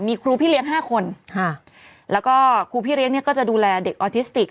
มีครูพี่เลี้ยงห้าคนค่ะแล้วก็ครูพี่เลี้ยงเนี่ยก็จะดูแลเด็กออทิสติก